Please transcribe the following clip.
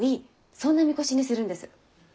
そんなみこしにするんです。